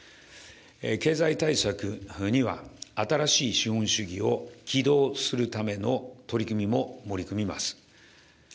経済対策には、新しい資本主義を起動するための取り組みも盛り込みます。